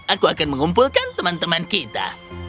aku akan mengumpulkan teman teman kita